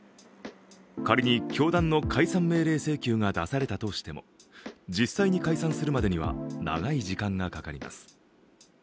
仮に教団の解散命令請求が出されたとしても実際に解散するまでには長い時間がかかります